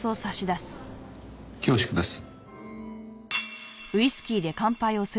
恐縮です。